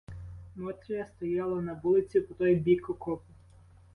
Мотря стояла на вулиці, по той бік окопу.